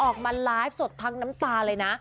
ออกมาไลฟ์สดทั้งน้ำตาเลยนะ